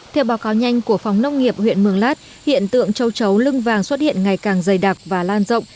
theo báo cáo nhanh của phóng nông nghiệp huyện mương lát hiện tượng trâu trấu lưng vàng xuất hiện ngày càng dày đặc và lan rộng